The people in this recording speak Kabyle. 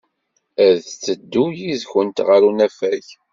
Ad teddu yid-went ɣer unafag.